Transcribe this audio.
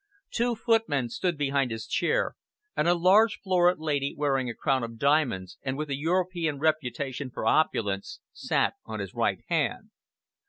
Two footmen stood behind his chair, and a large florid lady, wearing a crown of diamonds, and with a European reputation for opulence, sat on his right hand.